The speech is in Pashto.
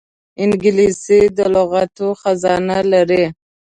انګلیسي د لغاتو خزانه لري